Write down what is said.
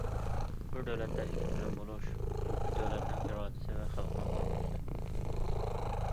‹‹ بىر دۆلەتتە ئىككى تۈزۈم بولۇش›› دۆلەتنىڭ ئىرادىسى ۋە خەلقنىڭ ئارزۇسى.